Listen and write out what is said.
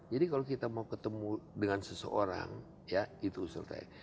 jadi kalau kita mau ketemu dengan seseorang ya itu usul saya